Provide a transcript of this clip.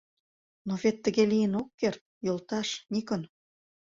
Но вет тыге лийын ок керт, йолташ, Никон?